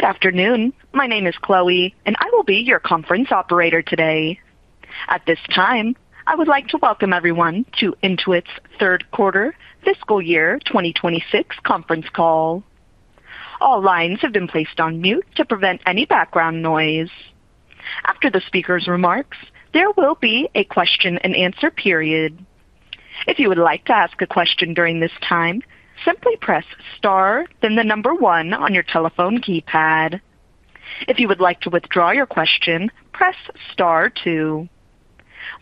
Good afternoon. My name is Chloe, and I will be your conference operator today. At this time, I would like to welcome everyone to Intuit's third quarter fiscal year 2026 conference call. All lines have been placed on mute to prevent any background noise. After the speaker's remarks, there will be a question-and-answer period. If you would like to ask a question during this time, simply press star then the number one on your telephone keypad. If you would like to withdraw your question, press star two.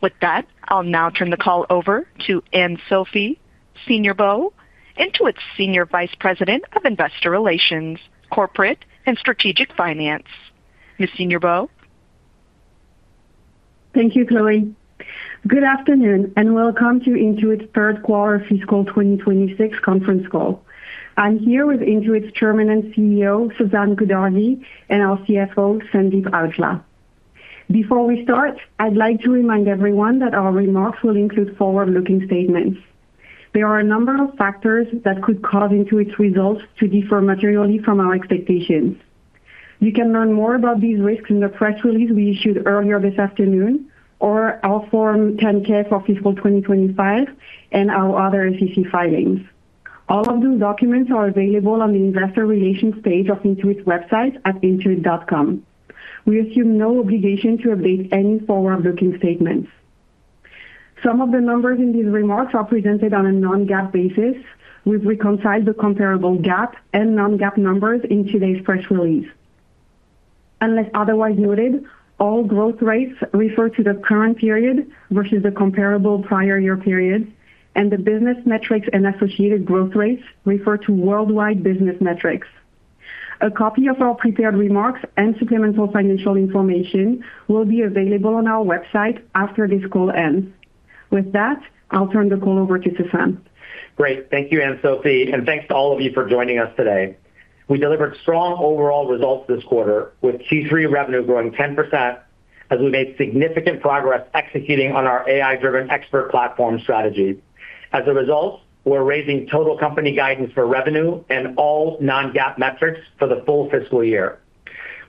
With that, I'll now turn the call over to Anne-Sophie Seigneurbieux, Intuit's Senior Vice President of Investor Relations, Corporate and Strategic Finance. Ms. Seigneurbieux? Thank you, Chloe. Good afternoon, and welcome to Intuit's third quarter fiscal 2026 conference call. I'm here with Intuit's Chairman and CEO, Sasan Goodarzi, and our CFO, Sandeep Aujla. Before we start, I'd like to remind everyone that our remarks will include forward-looking statements. There are a number of factors that could cause Intuit's results to differ materially from our expectations. You can learn more about these risks in the press release we issued earlier this afternoon or our Form 10-K for fiscal 2025 and our other SEC filings. All of those documents are available on the investor relations page of Intuit's website at intuit.com. We assume no obligation to update any forward-looking statements. Some of the numbers in these remarks are presented on a non-GAAP basis. We've reconciled the comparable GAAP and non-GAAP numbers in today's press release. Unless otherwise noted, all growth rates refer to the current period versus the comparable prior year period, and the business metrics and associated growth rates refer to worldwide business metrics. A copy of our prepared remarks and supplemental financial information will be available on our website after this call ends. With that, I'll turn the call over to Sasan. Great. Thank you, Anne-Sophie, and thanks to all of you for joining us today. We delivered strong overall results this quarter with Q3 revenue growing 10% as we made significant progress executing on our AI-driven expert platform strategy. As a result, we're raising total company guidance for revenue and all non-GAAP metrics for the full fiscal year.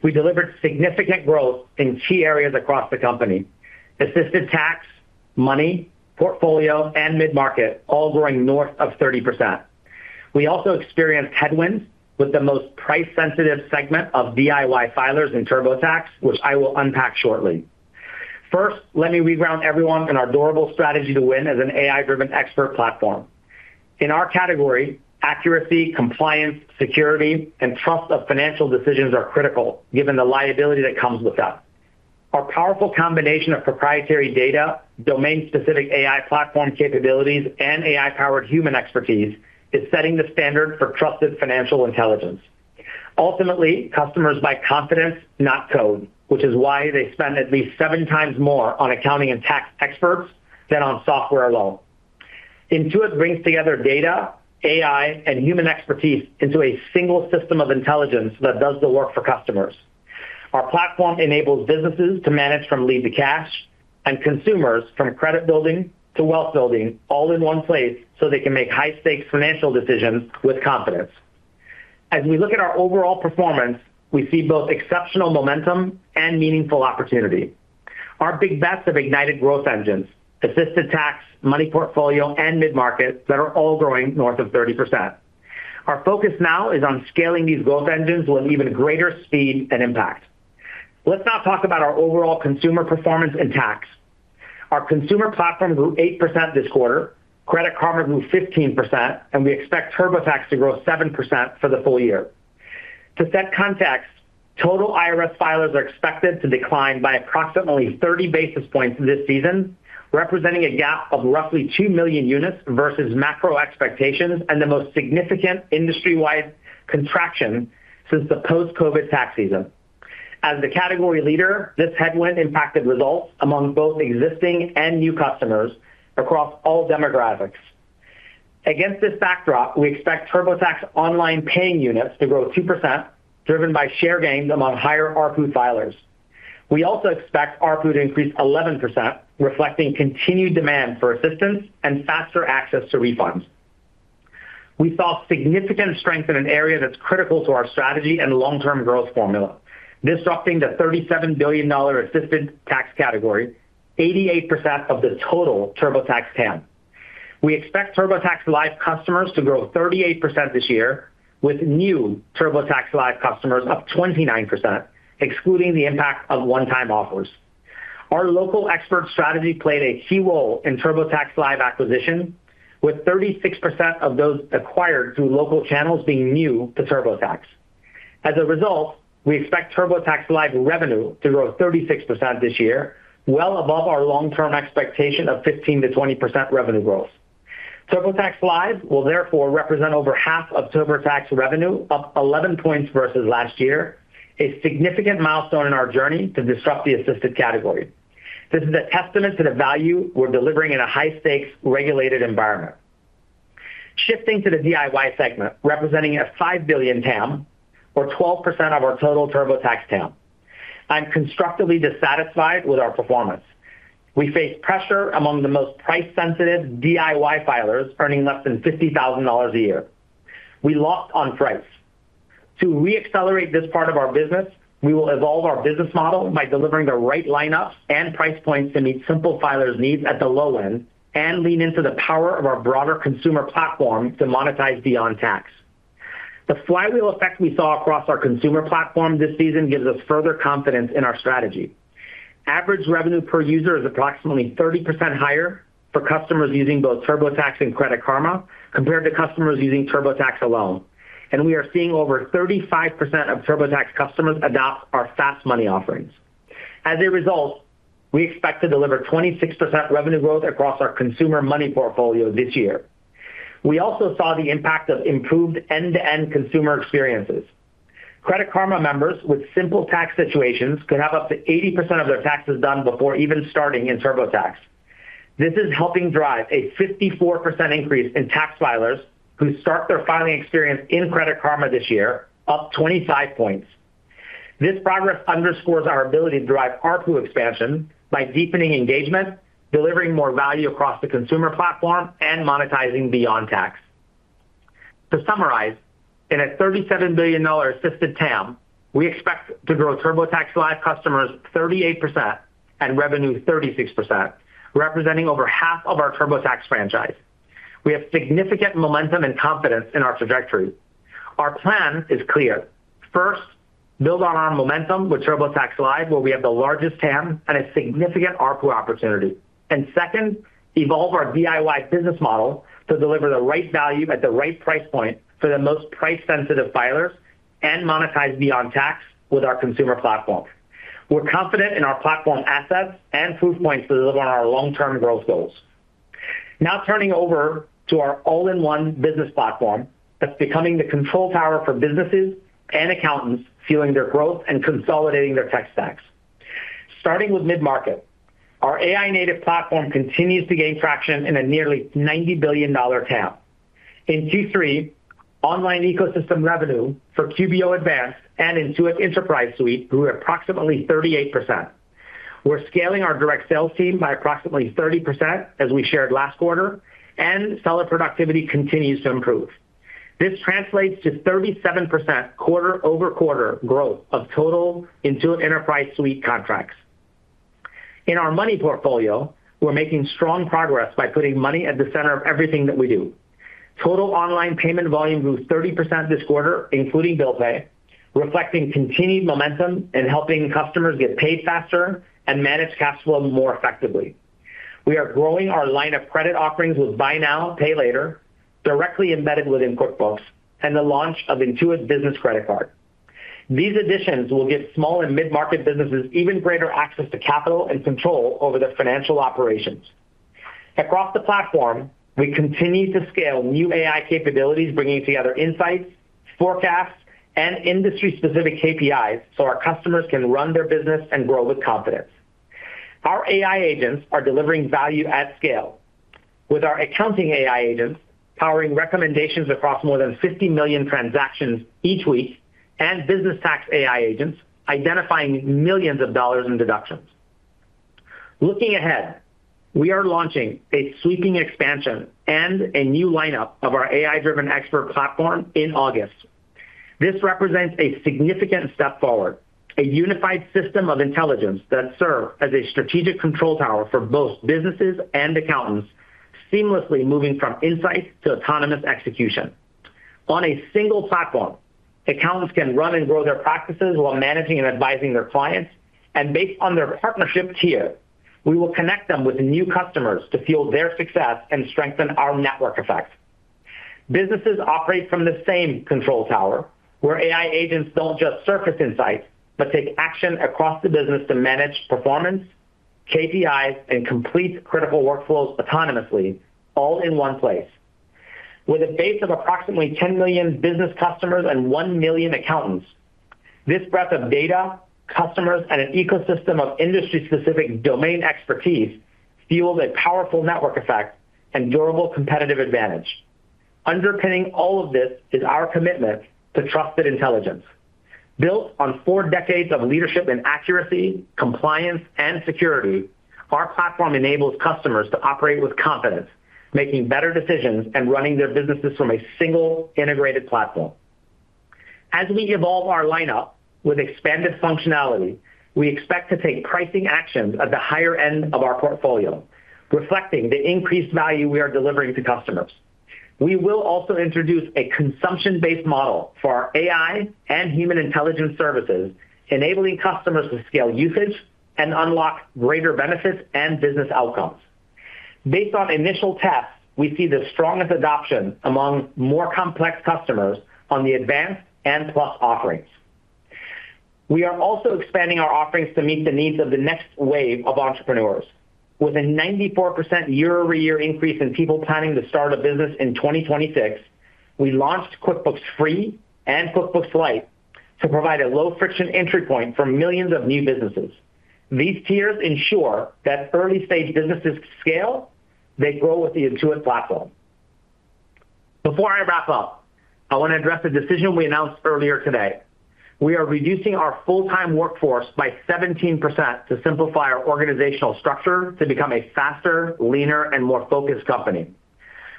We delivered significant growth in key areas across the company. Assisted Tax, Money portfolio, and mid-market, all growing north of 30%. We also experienced headwinds with the most price-sensitive segment of DIY filers in TurboTax, which I will unpack shortly. First, let me reground everyone on our durable strategy to win as an AI-driven expert platform. In our category, accuracy, compliance, security, and trust of financial decisions are critical given the liability that comes with that. Our powerful combination of proprietary data, domain-specific AI platform capabilities, and AI-powered human expertise is setting the standard for trusted financial intelligence. Ultimately, customers buy confidence, not code, which is why they spend at least seven times more on accounting and tax experts than on software alone. Intuit brings together data, AI, and human expertise into a single system of intelligence that does the work for customers. Our platform enables businesses to manage from lead to cash, and consumers from credit building to wealth building, all in one place so they can make high-stakes financial decisions with confidence. As we look at our overall performance, we see both exceptional momentum and meaningful opportunity. Our big bets have ignited growth engines, Assisted Tax, Money Portfolio, and Mid-Market that are all growing north of 30%. Our focus now is on scaling these growth engines with even greater speed and impact. Let's now talk about our overall Consumer performance in Tax. Our Consumer platform grew 8% this quarter, Credit Karma grew 15%, and we expect TurboTax to grow 7% for the full year. To set context, total IRS filers are expected to decline by approximately 30 basis points this season, representing a gap of roughly 2 million units versus macro expectations and the most significant industry-wide contraction since the post-COVID tax season. As the category leader, this headwind impacted results among both existing and new customers across all demographics. Against this backdrop, we expect TurboTax Online paying units to grow 2%, driven by share gains among higher ARPU filers. We also expect ARPU to increase 11%, reflecting continued demand for assistance and faster access to refunds. We saw significant strength in an area that's critical to our strategy and long-term growth formula, disrupting the $37 billion Assisted Tax category, 88% of the total TurboTax TAM. We expect TurboTax Live customers to grow 38% this year, with new TurboTax Live customers up 29%, excluding the impact of one-time offers. Our local expert strategy played a key role in TurboTax Live acquisition, with 36% of those acquired through local channels being new to TurboTax. As a result, we expect TurboTax Live revenue to grow 36% this year, well above our long-term expectation of 15%-20% revenue growth. TurboTax Live will therefore represent over 1/2 of TurboTax revenue, up 11 points versus last year, a significant milestone in our journey to disrupt the assisted category. This is a testament to the value we're delivering in a high-stakes, regulated environment. Shifting to the DIY segment, representing a $5 billion TAM, or 12% of our total TurboTax TAM. I'm constructively dissatisfied with our performance. We face pressure among the most price-sensitive DIY filers earning less than $50,000 a year. We lost on price. To re-accelerate this part of our business, we will evolve our business model by delivering the right lineups and price points to meet simple filers' needs at the low end, and lean into the power of our broader Consumer platform to monetize beyond tax. The flywheel effect we saw across our Consumer platform this season gives us further confidence in our strategy. Average revenue per user is approximately 30% higher for customers using both TurboTax and Credit Karma compared to customers using TurboTax alone. We are seeing over 35% of TurboTax customers adopt our fast money offerings. As a result, we expect to deliver 26% revenue growth across our Consumer money portfolio this year. We also saw the impact of improved end-to-end Consumer experiences. Credit Karma members with simple tax situations could have up to 80% of their taxes done before even starting in TurboTax. This is helping drive a 54% increase in tax filers who start their filing experience in Credit Karma this year, up 25 points. This progress underscores our ability to drive ARPU expansion by deepening engagement, delivering more value across the Consumer platform, and monetizing beyond tax. To summarize, in a $37 billion assisted TAM, we expect to grow TurboTax Live customers 38% and revenue 36%, representing over 1/2 of our TurboTax franchise. We have significant momentum and confidence in our trajectory. Our plan is clear. Build on our momentum with TurboTax Live, where we have the largest TAM and a significant ARPU opportunity. Second, evolve our DIY business model to deliver the right value at the right price point for the most price-sensitive filers, and monetize beyond tax with our consumer platform. We're confident in our platform assets and proof points to deliver on our long-term growth goals. Turning over to our all-in-one business platform that's becoming the control tower for businesses and accountants fueling their growth and consolidating their tech stacks. Starting with mid-market, our AI-native platform continues to gain traction in a nearly $90 billion TAM. In Q3, online ecosystem revenue for QBO Advanced and Intuit Enterprise Suite grew approximately 38%. We're scaling our direct sales team by approximately 30%, as we shared last quarter, seller productivity continues to improve. This translates to 37% quarter-over-quarter growth of total Intuit Enterprise Suite contracts. In our money portfolio, we're making strong progress by putting money at the center of everything that we do. Total online payment volume grew 30% this quarter, including Bill Pay, reflecting continued momentum in helping customers get paid faster and manage cash flow more effectively. We are growing our line of credit offerings with buy now, pay later, directly embedded within QuickBooks, and the launch of Intuit Business Credit Card. These additions will give small and mid-market businesses even greater access to capital and control over their financial operations. Across the platform, we continue to scale new AI capabilities, bringing together insights, forecasts, and industry-specific KPIs so our customers can run their business and grow with confidence. Our AI agents are delivering value at scale, with our accounting AI agents powering recommendations across more than 50 million transactions each week, and business tax AI agents identifying millions of dollars in deductions. Looking ahead, we are launching a sweeping expansion and a new lineup of our AI-driven expert platform in August. This represents a significant step forward, a unified system of intelligence that serve as a strategic control tower for both businesses and accountants, seamlessly moving from insights to autonomous execution. On a single platform, accountants can run and grow their practices while managing and advising their clients, and based on their partnership tier, we will connect them with new customers to fuel their success and strengthen our network effect. Businesses operate from the same control tower, where AI agents don't just surface insights, but take action across the business to manage performance, KPIs, and complete critical workflows autonomously, all in one place. With a base of approximately 10 million business customers and 1 million accountants, this breadth of data, customers, and an ecosystem of industry-specific domain expertise fuels a powerful network effect and durable competitive advantage. Underpinning all of this is our commitment to trusted intelligence. Built on four decades of leadership in accuracy, compliance, and security, our platform enables customers to operate with confidence, making better decisions, and running their businesses from a single integrated platform. As we evolve our lineup with expanded functionality, we expect to take pricing actions at the higher end of our portfolio, reflecting the increased value we are delivering to customers. We will also introduce a consumption-based model for our AI and human intelligence services, enabling customers to scale usage and unlock greater benefits and business outcomes. Based on initial tests, we see the strongest adoption among more complex customers on the Advanced and Plus offerings. We are also expanding our offerings to meet the needs of the next wave of entrepreneurs. With a 94% year-over-year increase in people planning to start a business in 2026, we launched QuickBooks Free and QuickBooks Lite to provide a low-friction entry point for millions of new businesses. These tiers ensure that early-stage businesses scale, they grow with the Intuit platform. Before I wrap up, I want to address a decision we announced earlier today. We are reducing our full-time workforce by 17% to simplify our organizational structure to become a faster, leaner, and more focused company.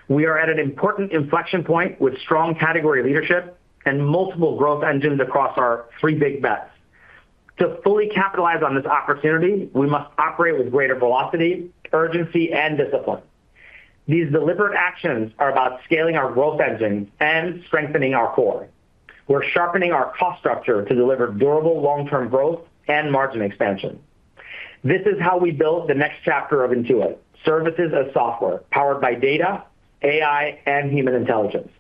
We are at an important inflection point with strong category leadership and multiple growth engines across our three big bets. To fully capitalize on this opportunity, we must operate with greater velocity, urgency, and discipline. These deliberate actions are about scaling our growth engines and strengthening our core. We're sharpening our cost structure to deliver durable long-term growth and margin expansion. This is how we build the next chapter of Intuit, services as software powered by data, AI, and human intelligence.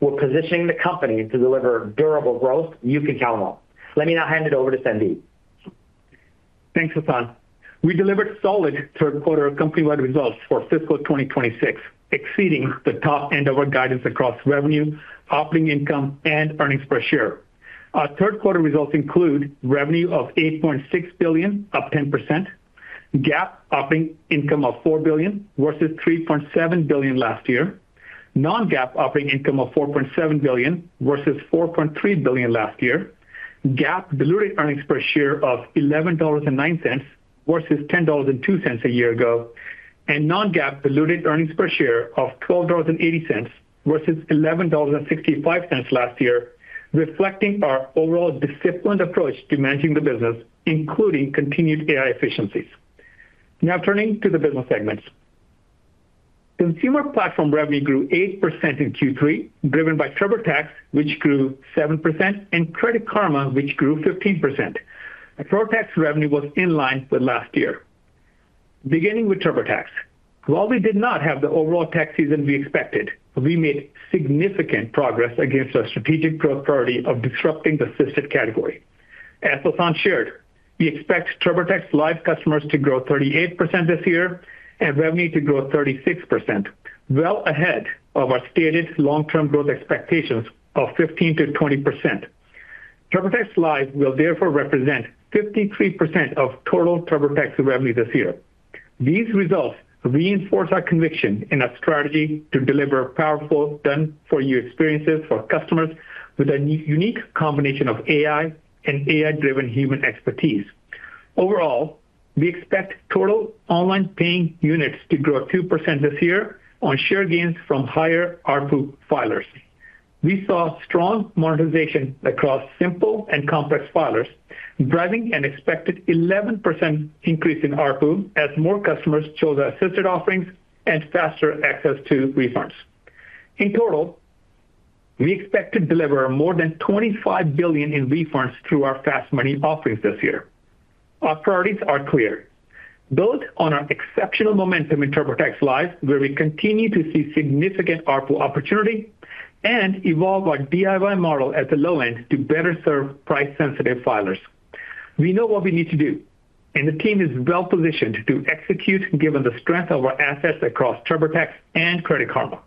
We're positioning the company to deliver durable growth you can count on. Let me now hand it over to Sandeep. Thanks, Sasan. We delivered solid third quarter company-wide results for fiscal 2026, exceeding the top end of our guidance across revenue, operating income, and earnings per share. Our third quarter results include revenue of $8.6 billion, up 10%, GAAP operating income of $4 billion versus $3.7 billion last year, non-GAAP operating income of $4.7 billion versus $4.3 billion last year, GAAP diluted earnings per share of $11.09 versus $10.02 a year ago, and non-GAAP diluted earnings per share of $12.80 versus $11.65 last year, reflecting our overall disciplined approach to managing the business, including continued AI efficiencies. Now turning to the business segments. Consumer revenue grew 8% in Q3, driven by TurboTax, which grew 7%, and Credit Karma, which grew 15%. Pro Tax revenue was in line with last year. Beginning with TurboTax, while we did not have the overall tax season we expected, we made significant progress against our strategic growth priority of disrupting the assisted category. As Sasan shared, we expect TurboTax Live customers to grow 38% this year and revenue to grow 36%, well ahead of our stated long-term growth expectations of 15%-20%. TurboTax Live will therefore represent 53% of total TurboTax revenue this year. These results reinforce our conviction in our strategy to deliver powerful, done-for-you experiences for customers with a unique combination of AI and AI-driven human expertise. Overall, we expect total online paying units to grow 2% this year on share gains from higher ARPU filers. We saw strong monetization across simple and complex filers, driving an expected 11% increase in ARPU as more customers chose our assisted offerings and faster access to refunds. In total, we expect to deliver more than $25 billion in refunds through our fast money offerings this year. Our priorities are clear. Build on our exceptional momentum in TurboTax Live, where we continue to see significant ARPU opportunity, and evolve our DIY model at the low end to better serve price-sensitive filers. We know what we need to do, and the team is well-positioned to execute given the strength of our assets across TurboTax and Credit Karma.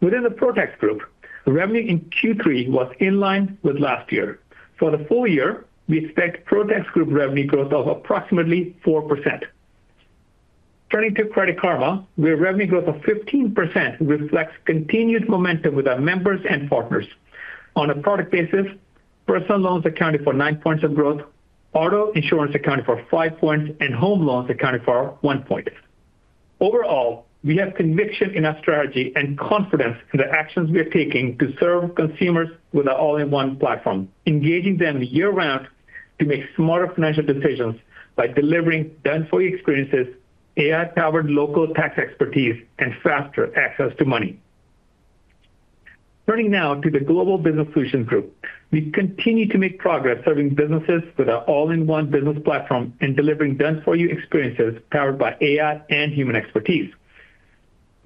Within the Pro Tax group, revenue in Q3 was in line with last year. For the full year, we expect Pro Tax group revenue growth of approximately 4%. Turning to Credit Karma, where revenue growth of 15% reflects continued momentum with our members and partners. On a product basis, personal loans accounted for 9 points of growth, auto insurance accounted for 5 points, and home loans accounted for 1 point. Overall, we have conviction in our strategy and confidence in the actions we are taking to serve consumers with our all-in-one platform, engaging them year-round to make smarter financial decisions by delivering done-for-you experiences, AI-powered local tax expertise, and faster access to money. Turning now to the Global Business Solutions Group. We continue to make progress serving businesses with our all-in-one business platform and delivering done-for-you experiences powered by AI and human expertise.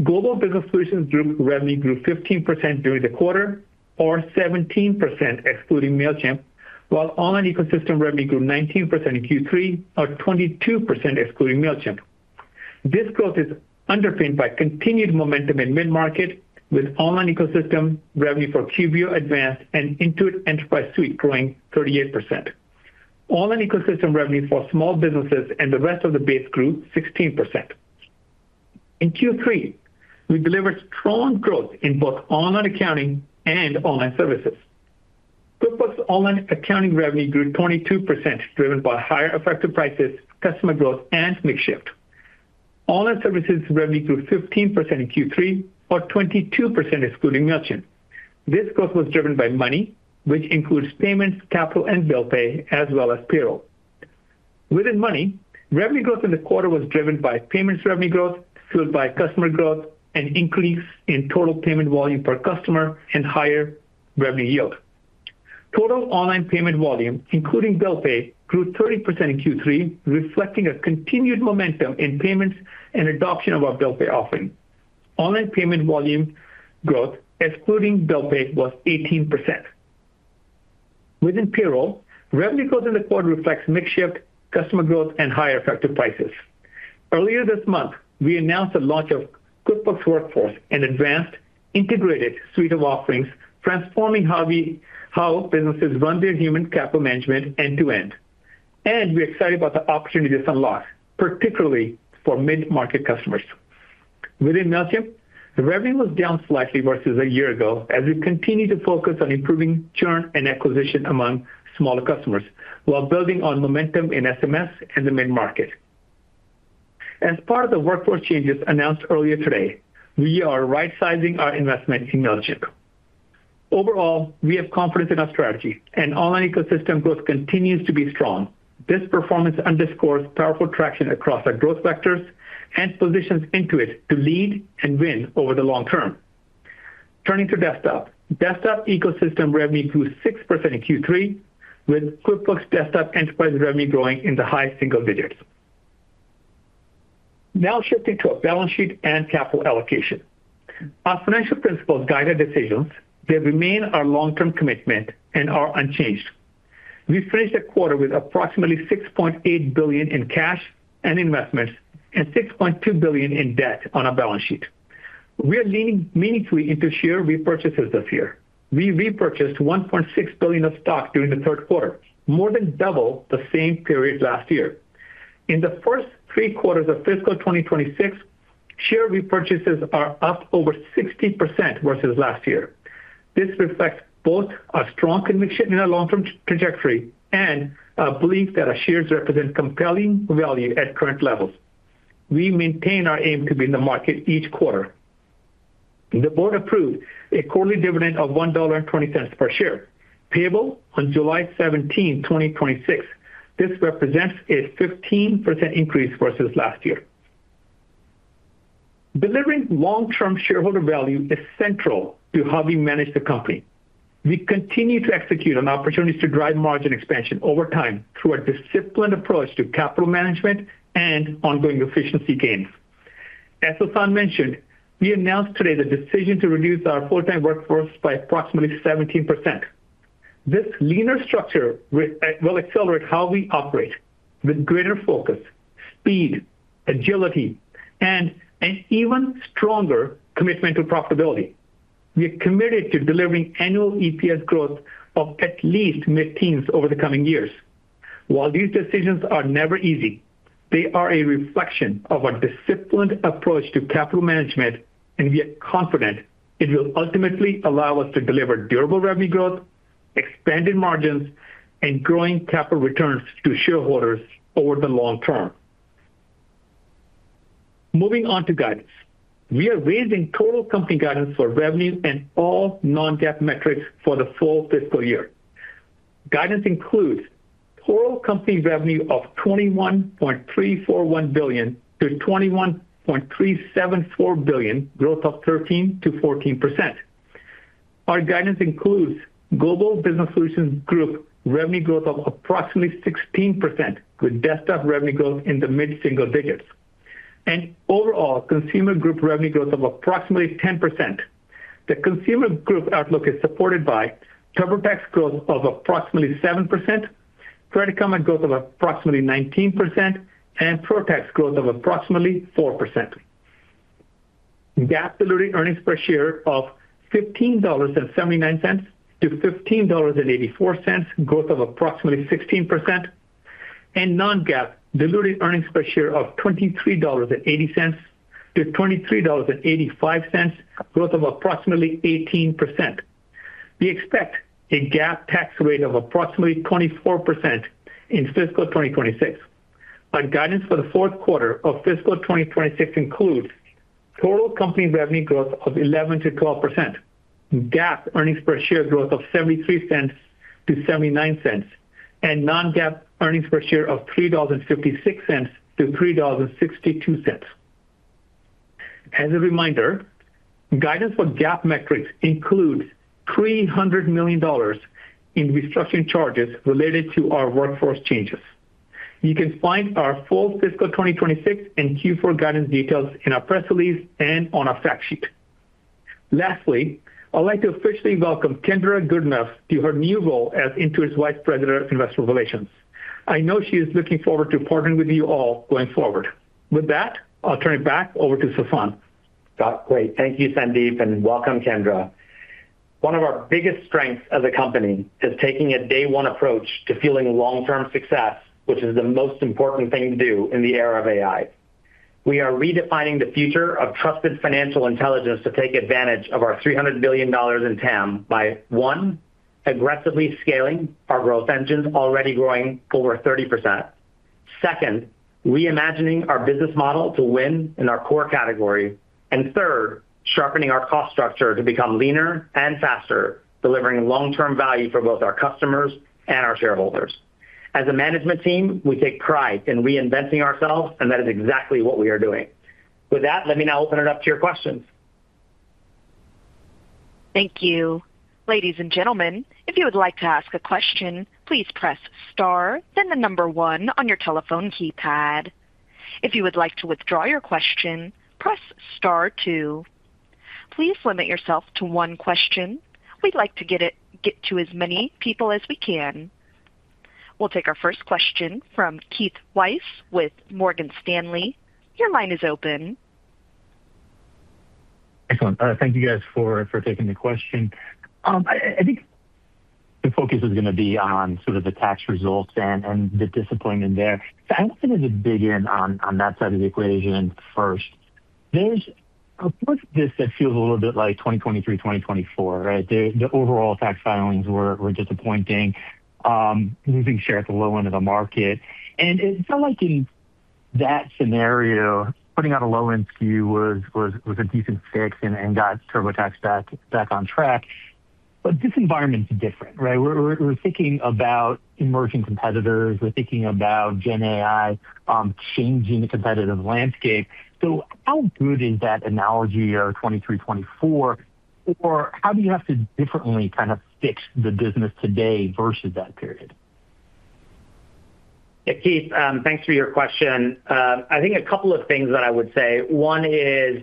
Global Business Solutions Group revenue grew 15% during the quarter, or 17% excluding Mailchimp, while online ecosystem revenue grew 19% in Q3, or 22% excluding Mailchimp. This growth is underpinned by continued momentum in mid-market, with online ecosystem revenue for QBO Advanced and Intuit Enterprise Suite growing 38%. Online ecosystem revenue for small businesses and the rest of the base grew 16%. In Q3, we delivered strong growth in both online accounting and online services. QuickBooks Online accounting revenue grew 22%, driven by higher effective prices, customer growth, and mix shift. Online services revenue grew 15% in Q3, or 22% excluding Mailchimp. This growth was driven by Money, which includes payments, capital, and Bill Pay, as well as Payroll. Within Money, revenue growth in the quarter was driven by payments revenue growth, fueled by customer growth, an increase in total payment volume per customer, and higher revenue yield. Total online payment volume, including Bill Pay, grew 30% in Q3, reflecting a continued momentum in payments and adoption of our Bill Pay offering. Online payment volume growth, excluding Bill Pay, was 18%. Within Payroll, revenue growth in the quarter reflects mix shift, customer growth, and higher effective prices. Earlier this month, we announced the launch of QuickBooks Workforce, an advanced integrated suite of offerings transforming how businesses run their human capital management end to end. We're excited about the opportunity this unlocks, particularly for mid-market customers. Within Mailchimp, the revenue was down slightly versus a year ago as we continue to focus on improving churn and acquisition among smaller customers, while building on momentum in SMS and the mid-market. As part of the workforce changes announced earlier today, we are right-sizing our investment in Mailchimp. Overall, we have confidence in our strategy. Online ecosystem growth continues to be strong. This performance underscores powerful traction across our growth vectors and positions Intuit to lead and win over the long term. Turning to Desktop. Desktop ecosystem revenue grew 6% in Q3, with QuickBooks Desktop Enterprise revenue growing in the high single digits. Shifting to our balance sheet and capital allocation. Our financial principles guide our decisions. They remain our long-term commitment and are unchanged. We finished the quarter with approximately $6.8 billion in cash and investments and $6.2 billion in debt on our balance sheet. We are leaning meaningfully into share repurchases this year. We repurchased $1.6 billion of stock during the third quarter, more than double the same period last year. In the first three quarters of fiscal 2026, share repurchases are up over 60% versus last year. This reflects both our strong conviction in our long-term trajectory and our belief that our shares represent compelling value at current levels. We maintain our aim to be in the market each quarter. The board approved a quarterly dividend of $1.20 per share, payable on July 17th, 2026. This represents a 15% increase versus last year. Delivering long-term shareholder value is central to how we manage the company. We continue to execute on opportunities to drive margin expansion over time through a disciplined approach to capital management and ongoing efficiency gains. As Sasan mentioned, we announced today the decision to reduce our full-time workforce by approximately 17%. This leaner structure will accelerate how we operate with greater focus, speed, agility, and an even stronger commitment to profitability. We are committed to delivering annual EPS growth of at least mid-teens over the coming years. While these decisions are never easy, they are a reflection of our disciplined approach to capital management, and we are confident it will ultimately allow us to deliver durable revenue growth, expanded margins, and growing capital returns to shareholders over the long term. Moving on to guidance. We are raising total company guidance for revenue and all non-GAAP metrics for the full fiscal year. Guidance includes total company revenue of $21.341 billion-$21.374 billion, growth of 13%-14%. Our guidance includes Global Business Solutions Group revenue growth of approximately 16%, with Desktop revenue growth in the mid-single digits. Overall, Consumer Group revenue growth of approximately 10%. The Consumer Group outlook is supported by TurboTax growth of approximately 7%, Credit Karma growth of approximately 19%, and Pro Tax growth of approximately 4%. GAAP diluted earnings per share of $15.79-$15.84, growth of approximately 16%, and non-GAAP diluted earnings per share of $23.80-$23.85, growth of approximately 18%. We expect a GAAP tax rate of approximately 24% in fiscal 2026. Our guidance for the fourth quarter of fiscal 2026 includes total company revenue growth of 11%-12%, GAAP earnings per share growth of $0.73-$0.79, and non-GAAP earnings per share of $3.56-$3.62. As a reminder, guidance for GAAP metrics includes $300 million in restructuring charges related to our workforce changes. You can find our full fiscal 2026 and Q4 guidance details in our press release and on our fact sheet. Lastly, I'd like to officially welcome Kendra Goodenough to her new role as Intuit's Vice President of Investor Relations. I know she is looking forward to partnering with you all going forward. With that, I'll turn it back over to Sasan. Great. Thank you, Sandeep, and welcome, Kendra. One of our biggest strengths as a company is taking a day one approach to fueling long-term success, which is the most important thing to do in the era of AI. We are redefining the future of trusted financial intelligence to take advantage of our $300 billion in TAM by, one, aggressively scaling our growth engines already growing over 30%. Second, reimagining our business model to win in our core category. Third, sharpening our cost structure to become leaner and faster, delivering long-term value for both our customers and our shareholders. As a management team, we take pride in reinventing ourselves, and that is exactly what we are doing. With that, let me now open it up to your questions. Thank you. Ladies and gentlemen, if you would like to ask a question, please press star then the number one on your telephone keypad. If you would like to withdraw your question, press star two. Please limit yourself to one question. We'd like to get to as many people as we can. We'll take our first question from Keith Weiss with Morgan Stanley. Your line is open. Excellent. Thank you guys for taking the question. I think the focus is going to be on the tax results and the disappointment there. I wanted to dig in on that side of the equation first. There's a portion of this that feels a little bit like 2023, 2024, right? The overall tax filings were disappointing, losing share at the low end of the market. It felt like in that scenario, putting out a low SKU was a decent fix and got TurboTax back on track. This environment is different, right? We're thinking about emerging competitors. We're thinking about GenAI changing the competitive landscape. How good is that analogy, year 2023, 2024? How do you have to differently kind of fix the business today versus that period? Yeah, Keith, thanks for your question. I think a couple of things that I would say. One is,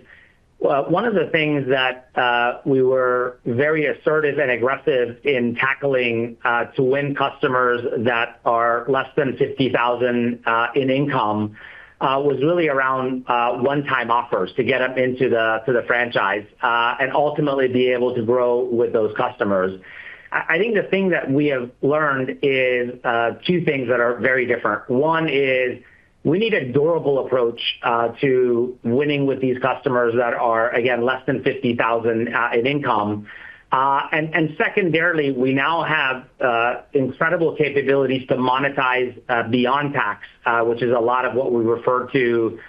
one of the things that we were very assertive and aggressive in tackling to win customers that are less than 50,000 in income, was really around one-time offers to get them into the franchise, and ultimately be able to grow with those customers. I think the thing that we have learned is two things that are very different. One is we need a durable approach to winning with these customers that are, again, less than 50,000 in income. Secondarily, we now have incredible capabilities to monetize beyond tax, which is a lot of what we referred to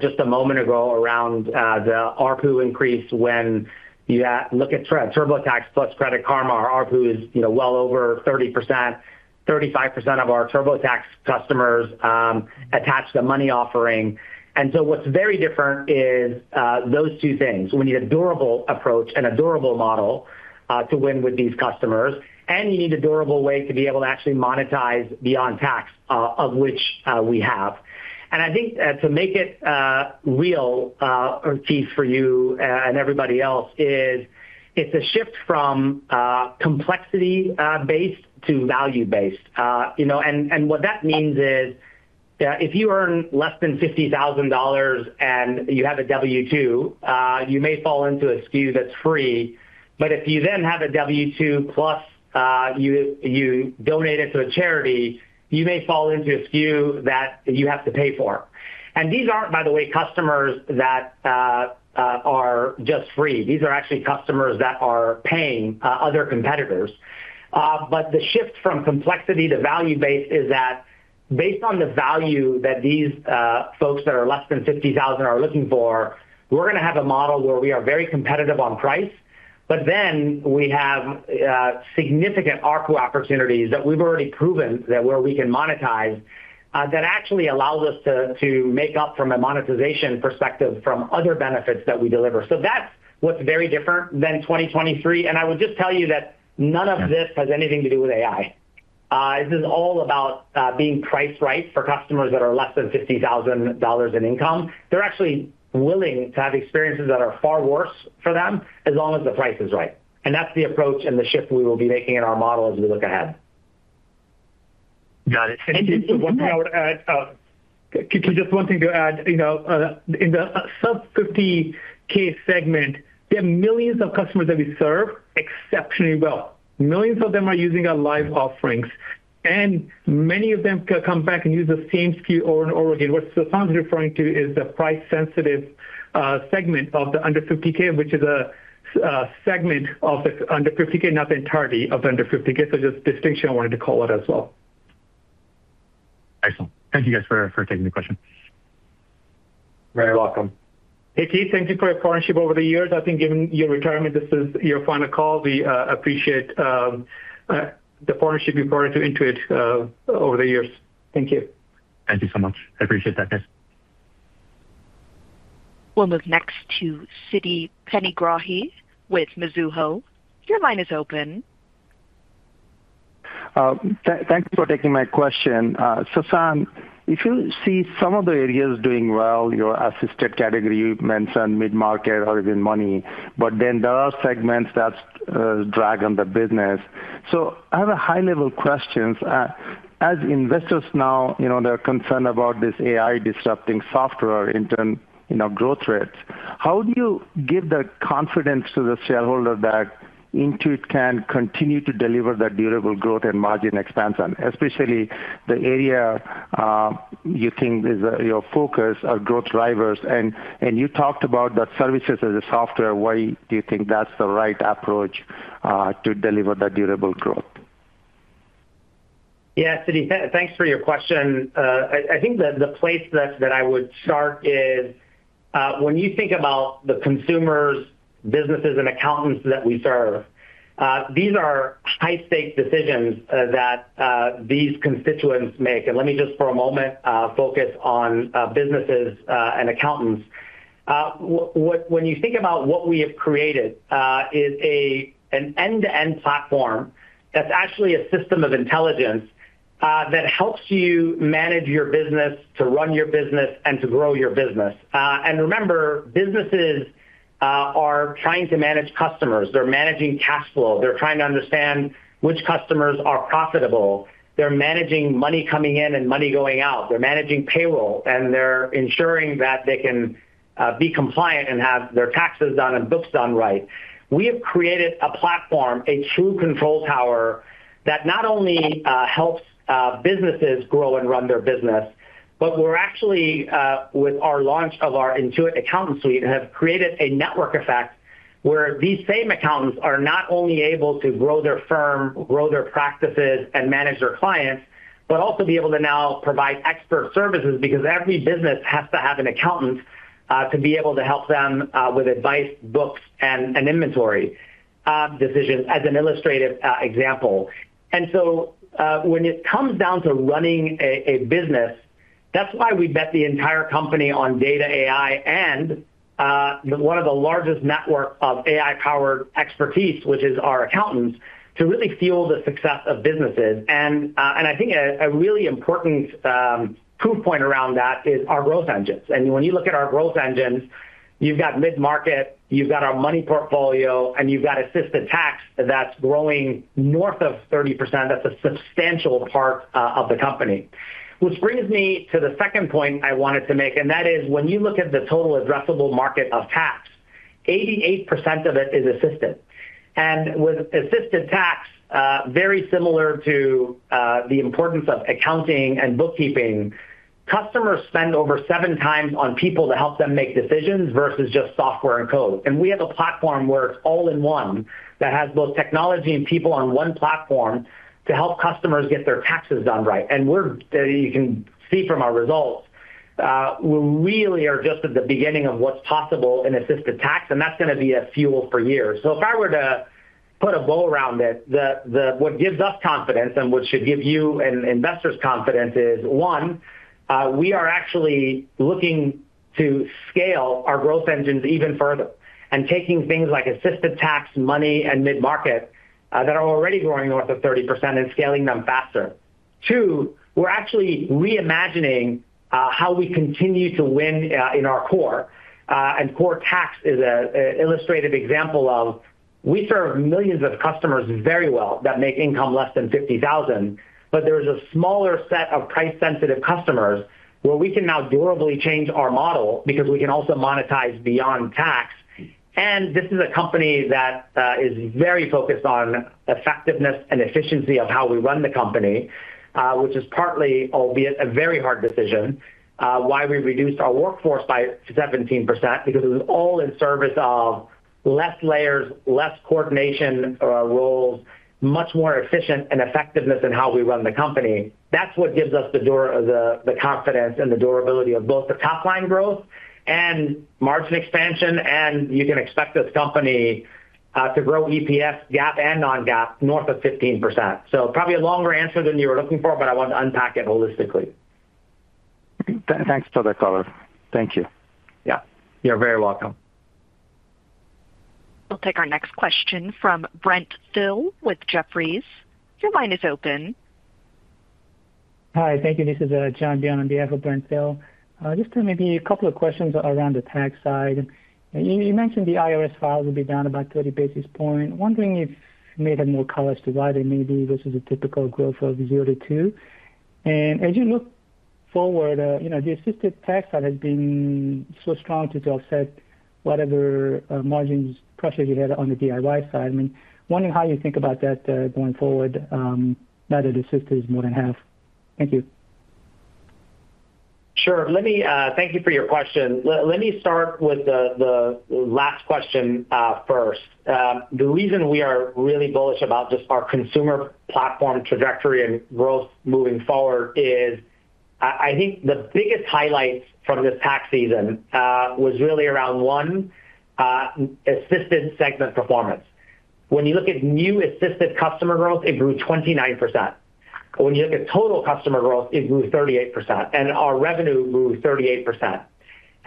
just a moment ago around the ARPU increase. When you look at TurboTax plus Credit Karma, our ARPU is well over 30%. 35% of our TurboTax customers attach the fast money offering. What's very different is those two things. We need a durable approach and a durable model to win with these customers, and you need a durable way to be able to actually monetize beyond tax, of which we have. I think to make it real, Keith, for you and everybody else, is it's a shift from complexity-based to value-based. What that means is that if you earn less than $50,000 and you have a W-2, you may fall into a SKU that's free. If you then have a W-2 plus you donate it to a charity, you may fall into a SKU that you have to pay for. These aren't, by the way, customers that are just free. These are actually customers that are paying other competitors. The shift from complexity to value-based is that based on the value that these folks that are less than $50,000 are looking for, we're going to have a model where we are very competitive on price, but then we have significant ARPU opportunities that we've already proven where we can monetize, that actually allows us to make up from a monetization perspective from other benefits that we deliver. That's what's very different than 2023. I would just tell you that none of this has anything to do with AI. This is all about being priced right for customers that are less than $50,000 in income. They're actually willing to have experiences that are far worse for them, as long as the price is right. That's the approach and the shift we will be making in our model as we look ahead. Got it. Just one thing I would add, Keith, just one thing to add. In the sub 50,000 segment, there are millions of customers that we serve exceptionally well. Millions of them are using our Live offerings. Many of them come back and use the same SKU over and over again. What Sasan's referring to is the price-sensitive segment of the under 50,000, which is a segment of the under 50,000, not the entirety of the under 50,000. Just a distinction I wanted to call out as well. Excellent. Thank you guys for taking the question. Very welcome. Hey, Keith, thank you for your partnership over the years. I think given your retirement, this is your final call. We appreciate the partnership you've brought to Intuit over the years. Thank you. Thank you so much. I appreciate that, guys. We'll move next to Siti Panigrahi with Mizuho. Your line is open. Thanks for taking my question. Sasan, if you see some of the areas doing well, your assisted category, you mentioned mid-market or even money, but then there are segments that drag on the business. I have a high-level question. As investors now, they're concerned about this AI disrupting software in turn growth rates. How do you give the confidence to the shareholder that Intuit can continue to deliver that durable growth and margin expansion, especially the area you think is your focus or growth drivers? You talked about the services as a software. Why do you think that's the right approach to deliver that durable growth? Yeah, Siti, thanks for your question. I think the place that I would start is when you think about the consumers, businesses, and accountants that we serve, these are high-stake decisions that these constituents make. Let me just for a moment, focus on businesses and accountants. When you think about what we have created, is an end-to-end platform that's actually a system of intelligence that helps you manage your business, to run your business, and to grow your business. Remember, businesses are trying to manage customers. They're managing cash flow. They're trying to understand which customers are profitable. They're managing money coming in and money going out. They're managing payroll, and they're ensuring that they can be compliant and have their taxes done and books done right. We have created a platform, a true control tower, that not only helps businesses grow and run their business, but we're actually, with our launch of our Intuit Accountant Suite, have created a network effect where these same accountants are not only able to grow their firm, grow their practices, and manage their clients, but also be able to now provide expert services because every business has to have an accountant to be able to help them with advice, books, and inventory decisions, as an illustrative example. When it comes down to running a business, that's why we bet the entire company on data AI and one of the largest network of AI-powered expertise, which is our accountants, to really fuel the success of businesses. I think a really important proof point around that is our growth engines. When you look at our growth engines, you've got mid-market, you've got our money portfolio, and you've got Assisted Tax that's growing north of 30%. That's a substantial part of the company. Which brings me to the second point I wanted to make, that is when you look at the total addressable market of tax, 88% of it is assisted. With Assisted Tax, very similar to the importance of accounting and bookkeeping, customers spend over seven times on people to help them make decisions versus just software and code. We have a platform where it's all in one, that has both technology and people on one platform to help customers get their taxes done right. You can see from our results, we really are just at the beginning of what's possible in Assisted Tax, and that's going to be a fuel for years. If I were to put a bow around it, what gives us confidence and what should give you and investors confidence is, one, we are actually looking to scale our growth engines even further and taking things like Assisted Tax, Money, and mid-market, that are already growing north of 30%, and scaling them faster. Two, we're actually reimagining how we continue to win in our core. Core tax is an illustrative example of we serve millions of customers very well that make income less than $50,000, but there is a smaller set of price-sensitive customers where we can now durably change our model because we can also monetize beyond tax. This is a company that is very focused on effectiveness and efficiency of how we run the company, which is partly, albeit a very hard decision, why we reduced our workforce by 17%, because it was all in service of less layers, less coordination roles, much more efficient and effectiveness in how we run the company. That's what gives us the confidence and the durability of both the top-line growth and margin expansion, and you can expect this company to grow EPS GAAP and non-GAAP north of 15%. Probably a longer answer than you were looking for, but I wanted to unpack it holistically. Thanks for the color. Thank you. Yeah. You're very welcome. We'll take our next question from Brent Thill with Jefferies. Your line is open. Hi, thank you. This is John on behalf of Brent Thill. Just maybe two questions around the tax side. You mentioned the IRS files will be down about 30 basis points. Wondering if you may have more color to why they may be versus the typical growth of 0-2. As you look forward, the Assisted Tax side has been so strong to offset whatever margins pressures you had on the DIY side. I'm wondering how you think about that going forward, now that Assisted is more than half. Thank you. Sure. Thank you for your question. Let me start with the last question first. The reason we are really bullish about just our Consumer platform trajectory and growth moving forward is, I think the biggest highlights from this tax season was really around, one, Assisted segment performance. When you look at new Assisted customer growth, it grew 29%. When you look at total customer growth, it grew 38%, and our revenue grew 38%, or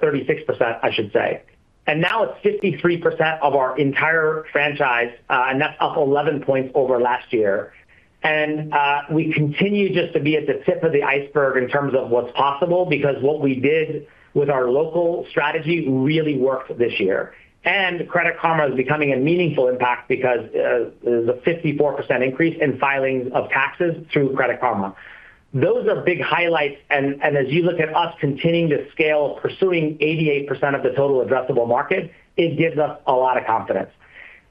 36%, I should say. Now it's 53% of our entire franchise, and that's up 11 points over last year. We continue just to be at the tip of the iceberg in terms of what's possible because what we did with our local strategy really worked this year. Credit Karma is becoming a meaningful impact because there's a 54% increase in filings of taxes through Credit Karma. Those are big highlights, and as you look at us continuing to scale, pursuing 88% of the total addressable market, it gives us a lot of confidence.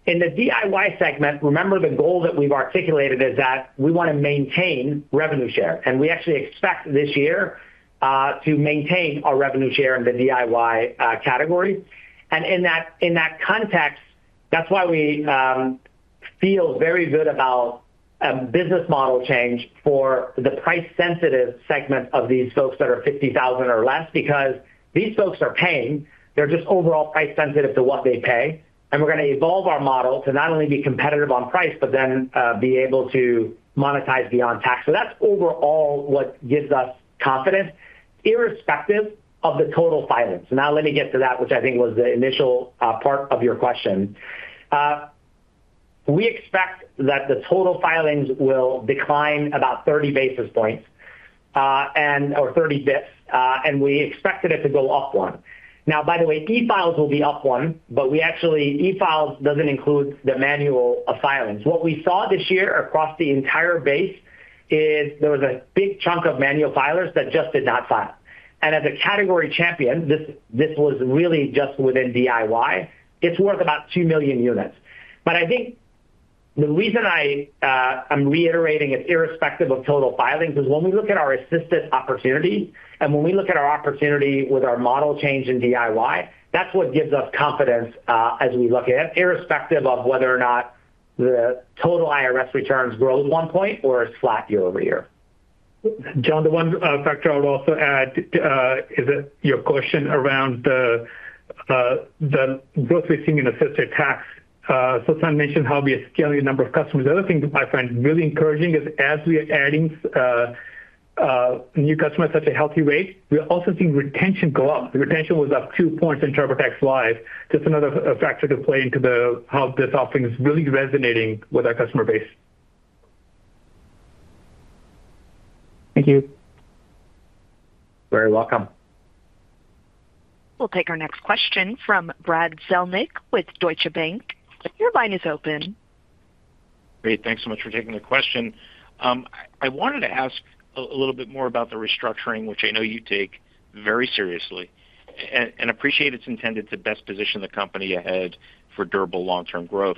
In the DIY segment, remember the goal that we've articulated is that we want to maintain revenue share, and we actually expect this year to maintain our revenue share in the DIY category. In that context, that's why we feel very good about a business model change for the price-sensitive segment of these folks that are $50,000 or less because these folks are paying, they're just overall price-sensitive to what they pay. We're going to evolve our model to not only be competitive on price, but then be able to monetize beyond tax. That's overall what gives us confidence irrespective of the total filings. Let me get to that, which I think was the initial part of your question. We expect that the total filings will decline about 30 basis points, or 30 basis points, we expected it to go up one. By the way, e-files will be up one, actually e-files doesn't include the manual filings. What we saw this year across the entire base is there was a big chunk of manual filers that just did not file. As a category champion, this was really just within DIY, it's worth about 2 million units. I think the reason I'm reiterating it's irrespective of total filings is when we look at our assisted opportunity, and when we look at our opportunity with our model change in DIY, that's what gives us confidence as we look at irrespective of whether or not the total IRS returns grows one point or it's flat year-over-year. John, the one factor I would also add is that your question around the growth we're seeing in Assisted Tax. Sasan mentioned how we are scaling the number of customers. The other thing that I find really encouraging is as we are adding new customers at such a healthy rate, we are also seeing retention go up. The retention was up 2 points in TurboTax Live. Just another factor to play into how this offering is really resonating with our customer base. Thank you. Very welcome. We'll take our next question from Brad Zelnick with Deutsche Bank. Your line is open. Great. Thanks so much for taking the question. I wanted to ask a little bit more about the restructuring, which I know you take very seriously, and appreciate it's intended to best position the company ahead for durable long-term growth.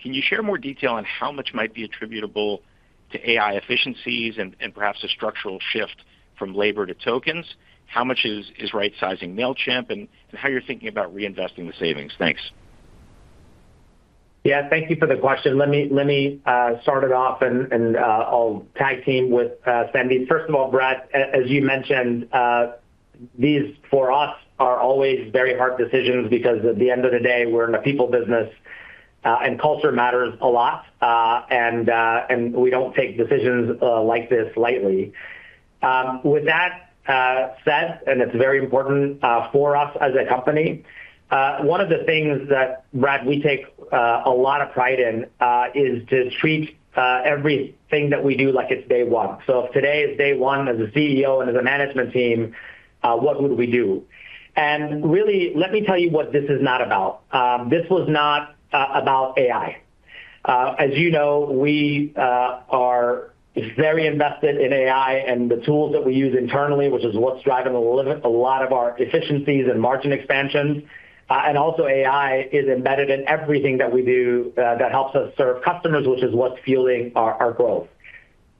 Can you share more detail on how much might be attributable to AI efficiencies and perhaps a structural shift from labor to tokens? How much is right-sizing Mailchimp, and how you're thinking about reinvesting the savings? Thanks. Yeah. Thank you for the question. Let me start it off and I'll tag team with Sandy. First of all, Brad, as you mentioned, these for us are always very hard decisions because at the end of the day, we're in a people business, and culture matters a lot. We don't take decisions like this lightly. With that said, it's very important for us as a company, one of the things that, Brad, we take a lot of pride in is to treat everything that we do like it's day one. If today is day one as a CEO and as a management team, what would we do? Really, let me tell you what this is not about. This was not about AI. As you know, we are very invested in AI and the tools that we use internally, which is what's driving a lot of our efficiencies and margin expansions. Also AI is embedded in everything that we do that helps us serve customers, which is what's fueling our growth.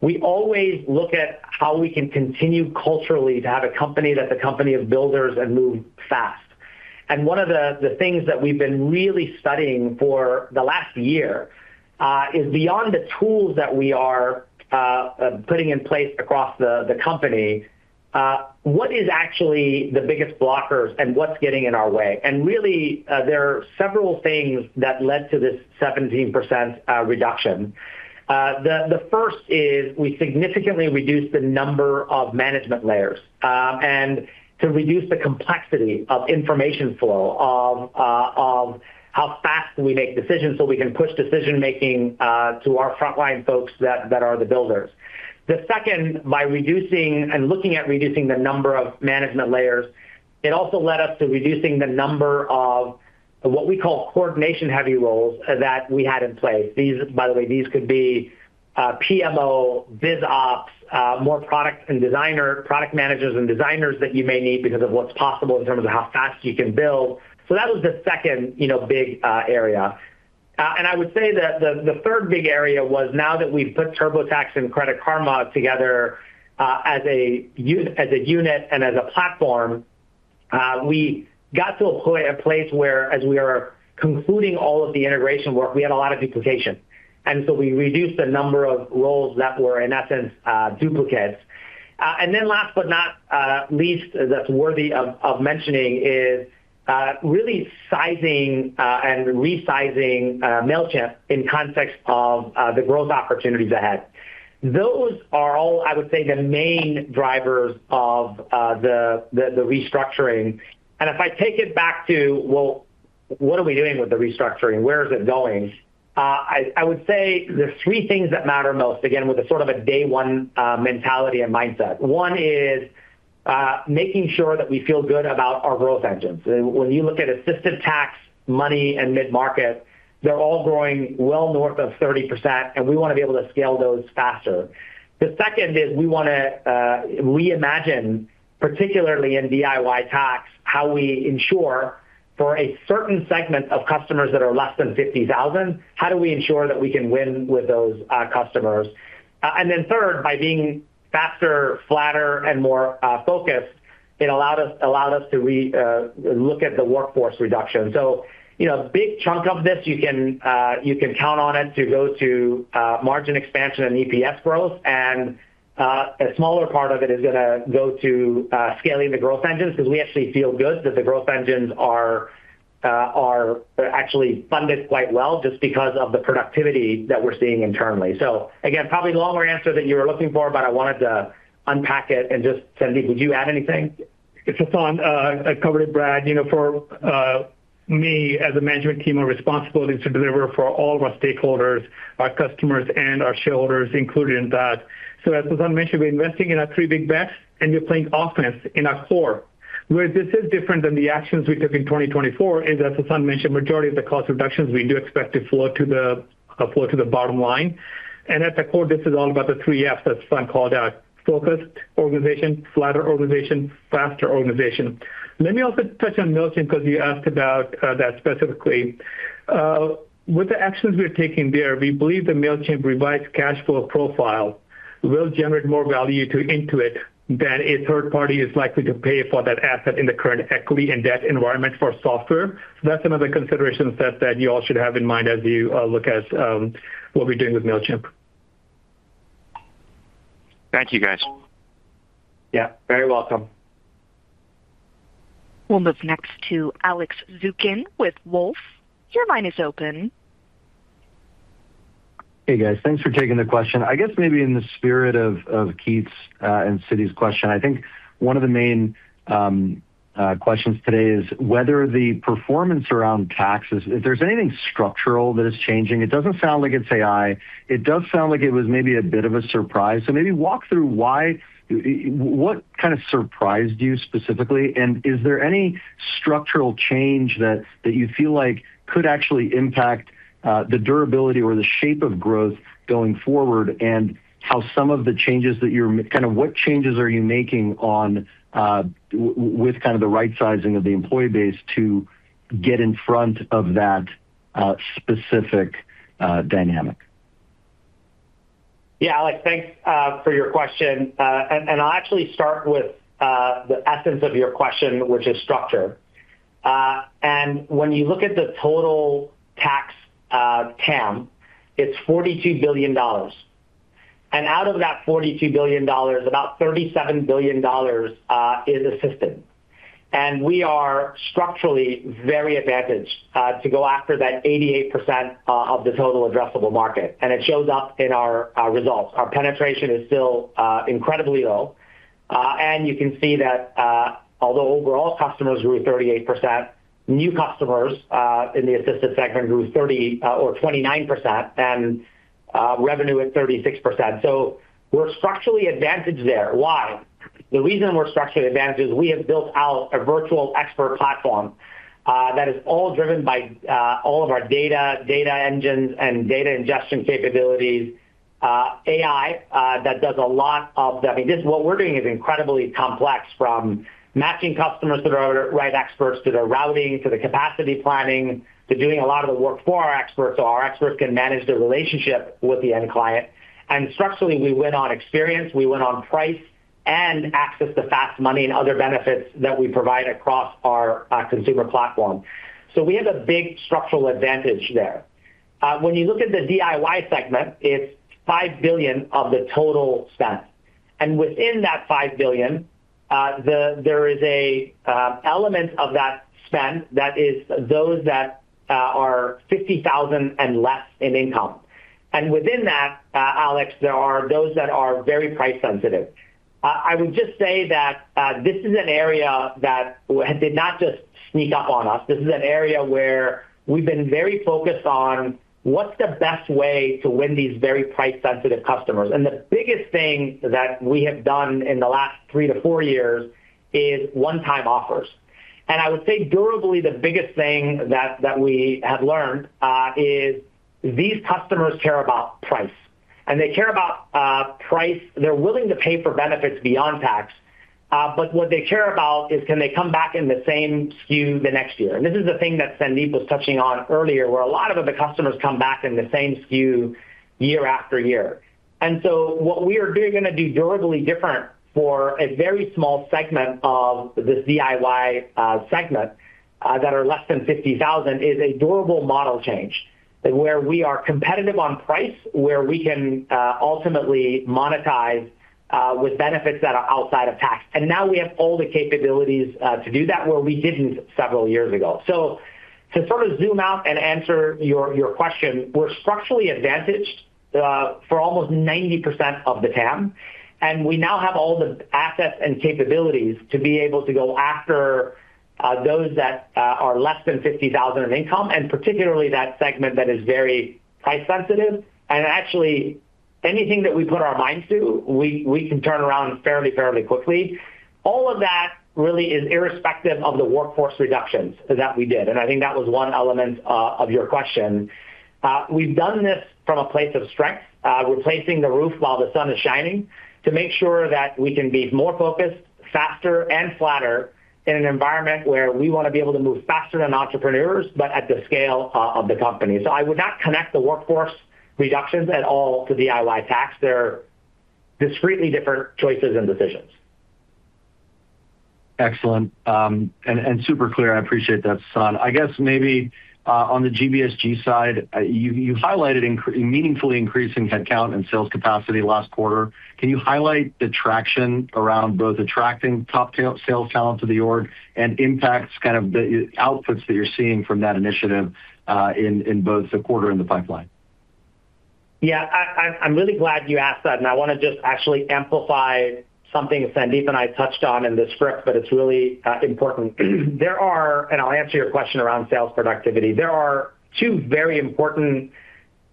We always look at how we can continue culturally to have a company that's a company of builders and move fast. One of the things that we've been really studying for the last year, is beyond the tools that we are putting in place across the company, what is actually the biggest blockers and what's getting in our way? Really, there are several things that led to this 17% reduction. The first is we significantly reduced the number of management layers, and to reduce the complexity of information flow of how fast we make decisions so we can push decision-making to our frontline folks that are the builders. The second, by reducing and looking at reducing the number of management layers, it also led us to reducing the number of what we call coordination heavy roles that we had in place. By the way, these could be PMO, bus ops, more product managers and designers that you may need because of what's possible in terms of how fast you can build. That was the second big area. I would say that the third big area was now that we've put TurboTax and Credit Karma together as a unit and as a platform, we got to a place where as we are concluding all of the integration work, we had a lot of duplication. We reduced the number of roles that were, in that sense, duplicates. Last but not least, that's worthy of mentioning is really sizing and resizing Mailchimp in context of the growth opportunities ahead. Those are all, I would say, the main drivers of the restructuring. If I take it back to, well, what are we doing with the restructuring? Where is it going? I would say there's three things that matter most, again, with a day one mentality and mindset. One is making sure that we feel good about our growth engines. When you look at Assisted Tax, Money, and Mid-Market, they're all growing well north of 30%. We want to be able to scale those faster. The second is we want to reimagine, particularly in DIY tax, how we ensure for a certain segment of customers that are less than $50,000, how do we ensure that we can win with those customers? Third, by being faster, flatter, and more focused, it allowed us to relook at the workforce reduction. A big chunk of this, you can count on it to go to margin expansion and EPS growth. A smaller part of it is going to go to scaling the growth engines because we actually feel good that the growth engines are actually funded quite well just because of the productivity that we're seeing internally. Again, probably the longer answer than you were looking for, but I wanted to unpack it and just, Sandeep, could you add anything? Yeah, Sasan. I covered it, Brad. For me, as a management team, our responsibility is to deliver for all of our stakeholders, our customers, and our shareholders included in that. As Sasan mentioned, we're investing in our three big bets, and we're playing offense in our core. Where this is different than the actions we took in 2024 is, as Sasan mentioned, majority of the cost reductions we do expect to flow to the bottom line. At the core, this is all about the three Fs that Sasan called out, focused organization, flatter organization, faster organization. Let me also touch on Mailchimp, because you asked about that specifically. With the actions we are taking there, we believe that Mailchimp revised cash flow profile will generate more value to Intuit than a third party is likely to pay for that asset in the current equity and debt environment for software. That's another consideration set that you all should have in mind as you look at what we're doing with Mailchimp. Thank you, guys. Yeah, very welcome. We'll move next to Alex Zukin with Wolfe. Your line is open. Hey, guys. Thanks for taking the question. I guess maybe in the spirit of Keith's and Siti's question, I think one of the main questions today is whether the performance around taxes, if there's anything structural that is changing. It doesn't sound like it's AI. It does sound like it was maybe a bit of a surprise. Maybe walk through what kind of surprised you specifically, and is there any structural change that you feel like could actually impact the durability or the shape of growth going forward, and what changes are you making with the right sizing of the employee base to get in front of that specific dynamic? Yeah, Alex, thanks for your question. I'll actually start with the essence of your question, which is structure. When you look at the total tax TAM, it's $42 billion. Out of that $42 billion, about $37 billion is assisted. We are structurally very advantaged to go after that 88% of the total addressable market, and it shows up in our results. Our penetration is still incredibly low. You can see that although overall customers grew 38%, new customers in the assisted segment grew 29%, and revenue at 36%. We're structurally advantaged there. Why? The reason we're structurally advantaged is we have built out a virtual expert platform, that is all driven by all of our data engines, and data ingestion capabilities, AI, that does a lot of the I mean, what we're doing is incredibly complex from matching customers to the right experts, to the routing, to the capacity planning, to doing a lot of the work for our experts so our experts can manage their relationship with the end client. Structurally, we win on experience, we win on price, and access to fast money and other benefits that we provide across our Consumer platform. We have a big structural advantage there. When you look at the DIY segment, it's $5 billion of the total spend. Within that $5 billion, there is an element of that spend that is those that are $50,000 and less in income. Within that, Alex, there are those that are very price sensitive. I would just say that this is an area that did not just sneak up on us. This is an area where we've been very focused on what's the best way to win these very price-sensitive customers. The biggest thing that we have done in the last three to four years is one-time offers. I would say durably, the biggest thing that we have learned, is these customers care about price. They care about price, they're willing to pay for benefits beyond tax, but what they care about is can they come back in the same SKU the next year. This is the thing that Sandeep was touching on earlier, where a lot of the customers come back in the same SKU year after year. What we are going to do durably different for a very small segment of this DIY segment, that are less than $50,000, is a durable model change, where we are competitive on price, where we can ultimately monetize with benefits that are outside of tax. Now we have all the capabilities to do that where we didn't several years ago. To sort of zoom out and answer your question, we're structurally advantaged for almost 90% of the TAM, and we now have all the assets and capabilities to be able to go after those that are less than $50,000 in income, and particularly that segment that is very price sensitive. Actually, anything that we put our minds to, we can turn around fairly quickly. All of that really is irrespective of the workforce reductions that we did. I think that was one element of your question. We've done this from a place of strength, replacing the roof while the sun is shining, to make sure that we can be more focused, faster and flatter in an environment where we want to be able to move faster than entrepreneurs, but at the scale of the company. I would not connect the workforce reductions at all to DIY tax. They're discretely different choices and decisions. Excellent, and super clear. I appreciate that, Sasan. I guess maybe, on the GBSG side, you highlighted meaningfully increasing headcount and sales capacity last quarter. Can you highlight the traction around both attracting top sales talent to the org, and impacts, kind of the outputs that you're seeing from that initiative, in both the quarter and the pipeline? Yeah. I'm really glad you asked that. I want to just actually amplify something Sandeep and I touched on in the script, but it's really important. I'll answer your question around sales productivity. There are two very important,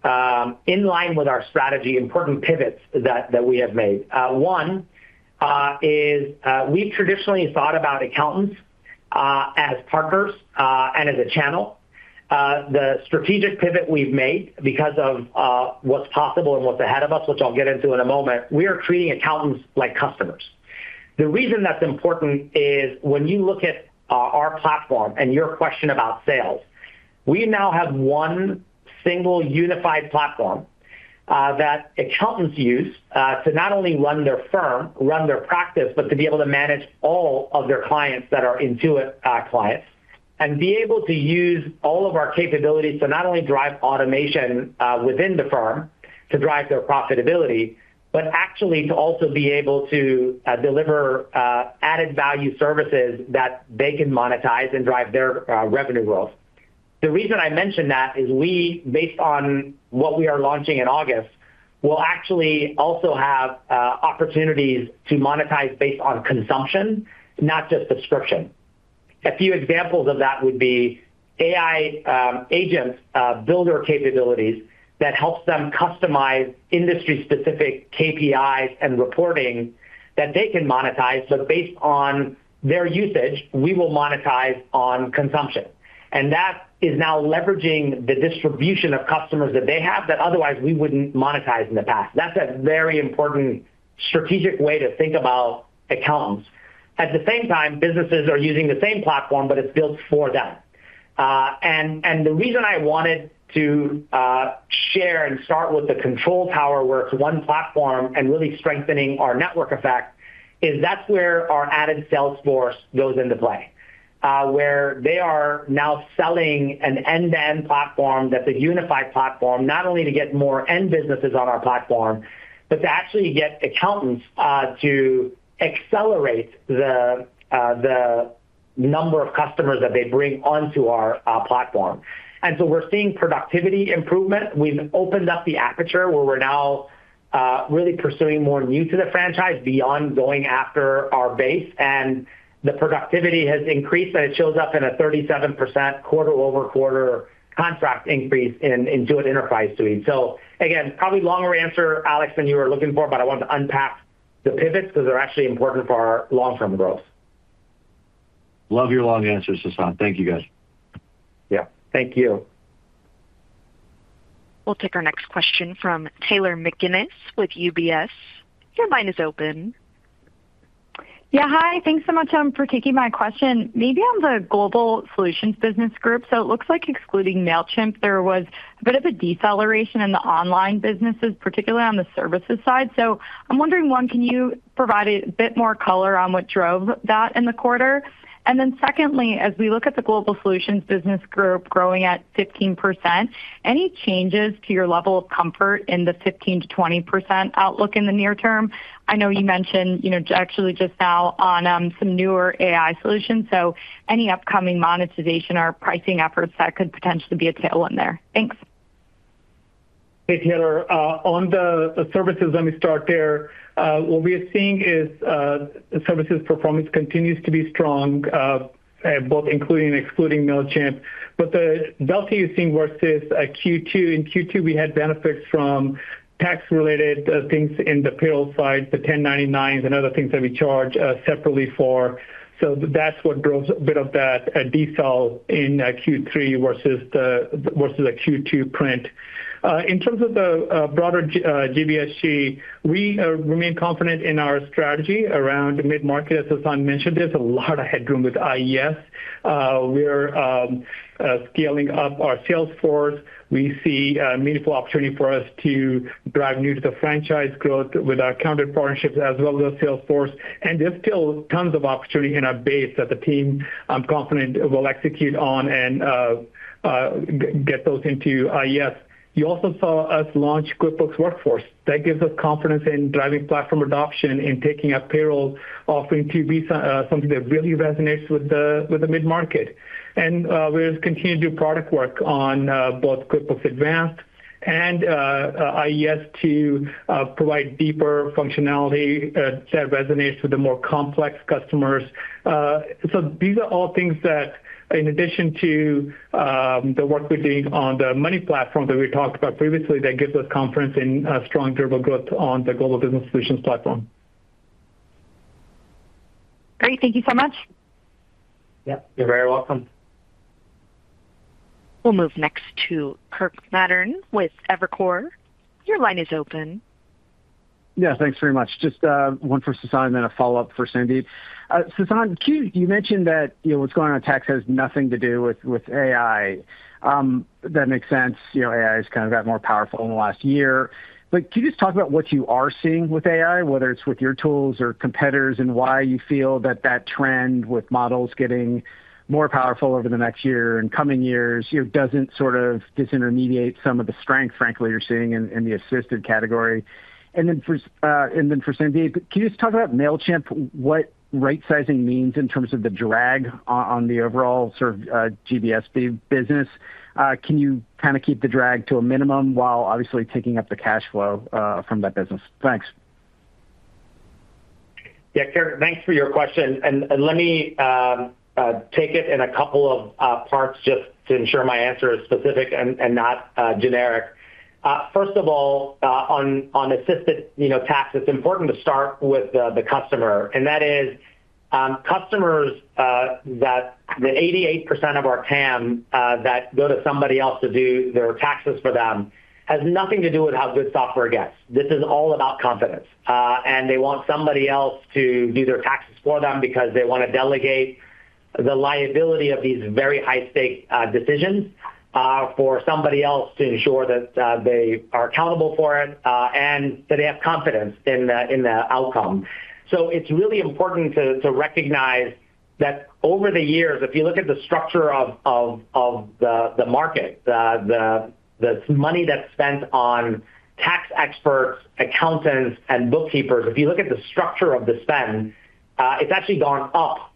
in line with our strategy, important pivots that we have made. One is we've traditionally thought about accountants as partners and as a channel. The strategic pivot we've made because of what's possible and what's ahead of us, which I'll get into in a moment, we are treating accountants like customers. The reason that's important is when you look at our platform and your question about sales, we now have one single unified platform that accountants use to not only run their firm, run their practice, but to be able to manage all of their clients that are Intuit clients. Be able to use all of our capabilities to not only drive automation within the firm to drive their profitability, but actually to also be able to deliver added-value services that they can monetize and drive their revenue growth. The reason I mention that is we, based on what we are launching in August, will actually also have opportunities to monetize based on consumption, not just subscription. A few examples of that would be AI agents, builder capabilities that helps them customize industry-specific KPIs and reporting that they can monetize. Based on their usage, we will monetize on consumption. That is now leveraging the distribution of customers that they have that otherwise we wouldn't monetize in the past. That's a very important strategic way to think about accountants. At the same time, businesses are using the same platform, but it's built for them. The reason I wanted to share and start with the control tower, where it is 1 platform and really strengthening our network effect, is that is where our added sales force goes into play, where they are now selling an end-to-end platform that is a unified platform, not only to get more end businesses on our platform, but to actually get accountants to accelerate the number of customers that they bring onto our platform. So we are seeing productivity improvement. We have opened up the aperture where we are now really pursuing more new to the franchise beyond going after our base. The productivity has increased, and it shows up in a 37% quarter-over-quarter contract increase in Intuit Enterprise Suite. Again, probably longer answer, Alex, than you were looking for, but I wanted to unpack the pivots because they are actually important for our long-term growth. Love your long answers, Sasan. Thank you, guys. Yeah. Thank you. We'll take our next question from Taylor McGinnis with UBS. Your line is open. Yeah. Hi. Thanks so much for taking my question. Maybe on the Global Business Solutions Group, it looks like excluding Mailchimp, there was a bit of a deceleration in the online businesses, particularly on the services side. I'm wondering, one, can you provide a bit more color on what drove that in the quarter? Secondly, as we look at the Global Business Solutions Group growing at 15%, any changes to your level of comfort in the 15%-20% outlook in the near term? I know you mentioned, actually just now on some newer AI solutions, any upcoming monetization or pricing efforts that could potentially be a tailwind there. Thanks. Hey, Taylor. On the services, let me start there. What we are seeing is services performance continues to be strong, both including and excluding Mailchimp. The delta you're seeing versus Q2, in Q2, we had benefits from tax-related things in the Payroll side, the 1099s and other things that we charge separately for. That's what drove a bit of that decel in Q3 versus the Q2 print. In terms of the broader GBSG, we remain confident in our strategy around mid-market. As Sasan mentioned, there's a lot of headroom with IES. We're scaling up our sales force. We see a meaningful opportunity for us to drive new to the franchise growth with our accountant partnerships as well as sales force. There's still tons of opportunity in our base that the team I'm confident will execute on and get those into IES. You also saw us launch QuickBooks Workforce. That gives us confidence in driving platform adoption and taking our payroll offering to be something that really resonates with the mid-market. We'll continue to do product work on both QuickBooks Advanced and IES to provide deeper functionality that resonates with the more complex customers. These are all things that in addition to the work we're doing on the money platform that we talked about previously, that gives us confidence in strong durable growth on the Global Business Solutions platform. Great. Thank you so much. Yep, you're very welcome. We'll move next to Kirk Materne with Evercore. Your line is open. Thanks very much. Just one for Sasan, then a follow-up for Sandeep. Sasan, you mentioned that what's going on in tax has nothing to do with AI. That makes sense. AI's kind of got more powerful in the last year. Can you just talk about what you are seeing with AI, whether it's with your tools or competitors, and why you feel that that trend with models getting more powerful over the next year and coming years doesn't sort of disintermediate some of the strength, frankly, you're seeing in the assisted category? For Sandeep, can you just talk about Mailchimp, what right sizing means in terms of the drag on the overall GBSG business? Can you kind of keep the drag to a minimum while obviously taking up the cash flow from that business? Thanks. Yeah, Kirk, thanks for your question. Let me take it in a couple of parts just to ensure my answer is specific and not generic. First of all, on Assisted Tax, it's important to start with the customer. That is, customers, that 88% of our TAM that go to somebody else to do their taxes for them, has nothing to do with how good software gets. This is all about confidence. They want somebody else to do their taxes for them because they want to delegate the liability of these very high-stake decisions for somebody else to ensure that they are accountable for it, and that they have confidence in the outcome. It's really important to recognize that over the years, if you look at the structure of the market, the money that's spent on tax experts, accountants, and bookkeepers, if you look at the structure of the spend, it's actually gone up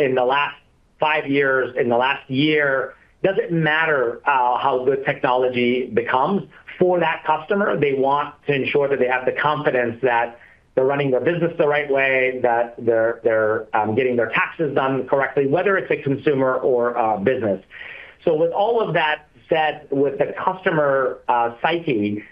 in the last five years, in the last year. Doesn't matter how good technology becomes for that customer, they want to ensure that they have the confidence that they're running their business the right way, that they're getting their taxes done correctly, whether it's a consumer or a business. With all of that said, with the customer psyche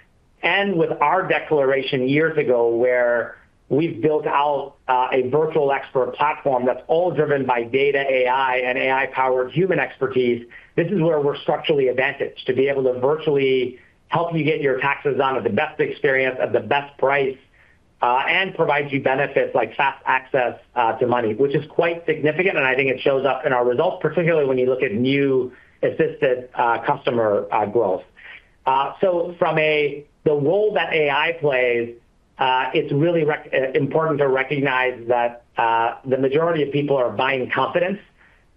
and with our declaration years ago where we've built out a virtual expert platform that's all driven by data, AI, and AI-powered human expertise, this is where we're structurally advantaged to be able to virtually help you get your taxes done with the best experience, at the best price, and provide you benefits like fast access to money. Which is quite significant, and I think it shows up in our results, particularly when you look at new assisted customer growth. From the role that AI plays, it's really important to recognize that the majority of people are buying confidence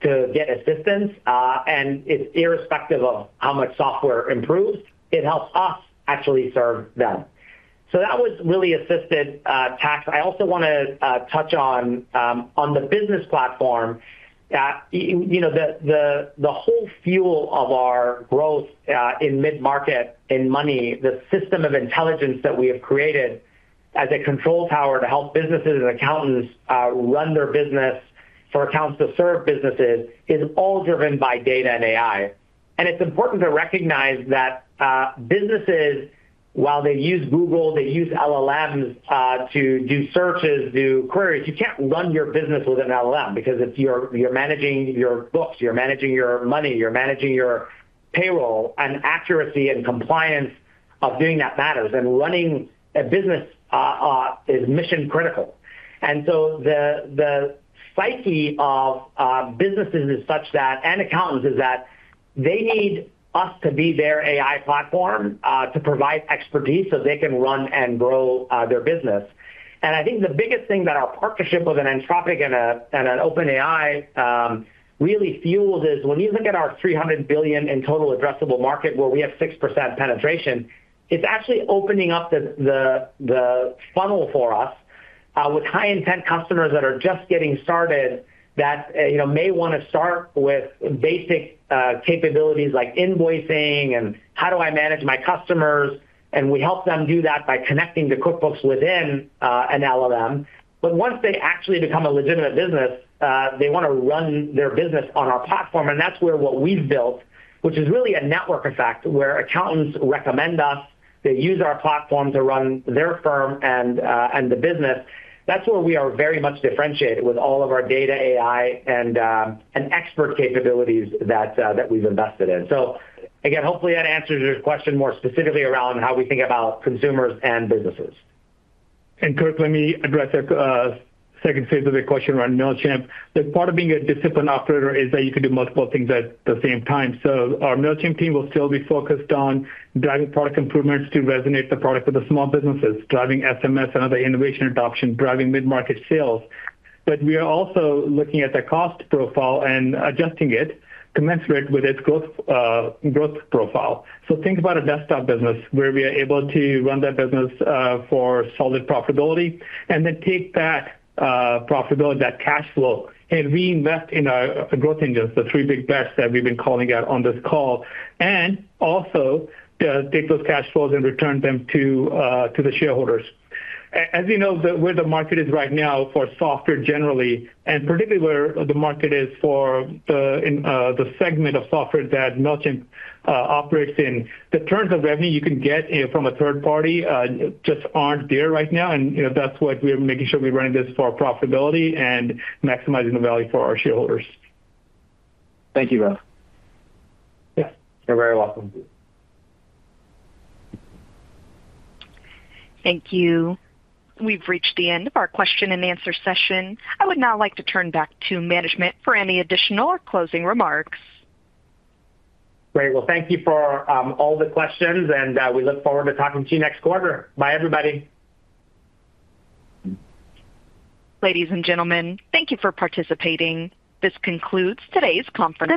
to get assistance. It's irrespective of how much software improves, it helps us actually serve them. That was really Assisted Tax. I also want to touch on the business platform. The whole fuel of our growth in mid-market, in money, the system of intelligence that we have created as a control tower to help businesses and accountants run their business for accountants to serve businesses, is all driven by data and AI. It's important to recognize that businesses, while they use Google, they use LLMs to do searches, do queries, you can't run your business with an LLM because if you're managing your books, you're managing your money, you're managing your payroll, and accuracy and compliance of doing that matters. Running a business is mission-critical. The psyche of businesses is such that, and accountants, is that they need us to be their AI platform to provide expertise so they can run and grow their business. I think the biggest thing that our partnership with an Anthropic and an OpenAI really fuels is when you look at our $300 billion in total addressable market where we have 6% penetration, it's actually opening up the funnel for us with high-intent customers that are just getting started that may want to start with basic capabilities like invoicing, and how do I manage my customers. We help them do that by connecting to QuickBooks within an LLM. Once they actually become a legitimate business, they want to run their business on our platform. That's where what we've built, which is really a network effect where accountants recommend us, they use our platform to run their firm and the business. That's where we are very much differentiated with all of our data, AI, and expert capabilities that we've invested in. Again, hopefully, that answers your question more specifically around how we think about consumers and businesses. Kirk, let me address that second phase of the question around Mailchimp. That part of being a disciplined operator is that you can do multiple things at the same time. Our Mailchimp team will still be focused on driving product improvements to resonate the product with the small businesses, driving SMS and other innovation adoption, driving mid-market sales. We are also looking at the cost profile and adjusting it to commensurate with its growth profile. Think about a desktop business where we are able to run that business for solid profitability, and then take that profitability, that cash flow, and reinvest in our growth engines, the three big bets that we've been calling out on this call. Also to take those cash flows and return them to the shareholders. As you know where the market is right now for software generally, and particularly where the market is for the segment of software that Mailchimp operates in, the returns of revenue you can get from a third party just aren't there right now. That's what we're making sure we're running this for profitability and maximizing the value for our shareholders. Thank you, Rob. Yeah. You're very welcome. Thank you. We've reached the end of our question-and-answer session. I would now like to turn back to management for any additional or closing remarks. Great. Well, thank you for all the questions, and we look forward to talking to you next quarter. Bye, everybody. Ladies and gentlemen, thank you for participating. This concludes today's conference.